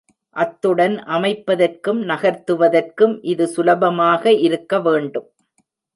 அத்துடன் அமைப்பதற்கும் நகர்த்துவதற்கும் இது சுலபமாக இருக்க வேண்டும்.